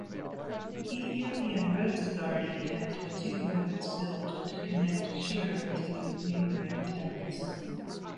The Ethiopian Roads Authority had two roads built to connect Shire to neighboring towns.